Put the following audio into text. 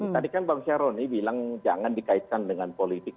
tadi kan bang syaroni bilang jangan dikaitkan dengan politik